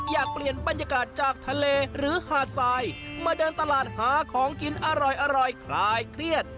อยากเปลี่ยนบรรยากาศจากทะเลหรือหาดทรายมาเดินตลาดหาของกินอร่อยคลายเครียด